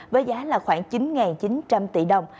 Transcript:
với giá là khoảng chín chín trăm linh tỷ đồng